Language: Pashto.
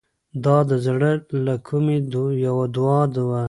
دا د زړه له کومې یوه دعا وه.